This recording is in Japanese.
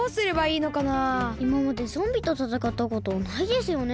いままでゾンビとたたかったことないですよね。